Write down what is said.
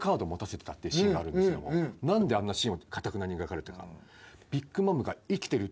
何であんなシーンかたくなに描かれてるか。